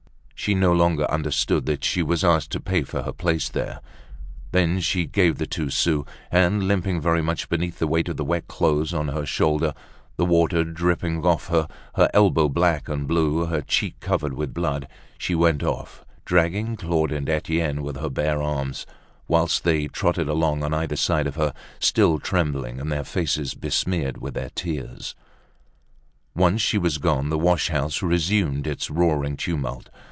She no longer understood that she was asked to pay for her place there. Then she gave the two sous; and limping very much beneath the weight of the wet clothes on her shoulder, the water dripping from off her, her elbow black and blue, her cheek covered with blood, she went off, dragging Claude and Etienne with her bare arms, whilst they trotted along on either side of her, still trembling, and their faces besmeared with their tears. Once she was gone, the wash house resumed its roaring tumult.